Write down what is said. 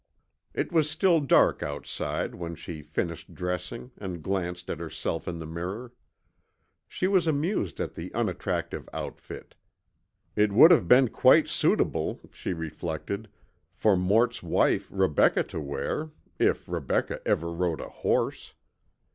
It was still dark outside when she finished dressing and glanced at herself in the mirror. She was amused at the unattractive outfit. It would have been quite suitable, she reflected, for Mort's wife, Rebecca, to wear, if Rebecca ever rode a horse.